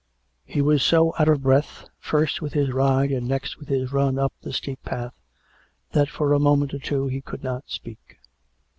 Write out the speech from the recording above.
He was so out of breath, first with his ride and next with his run up the steep path, that for a moment or two he could not speak.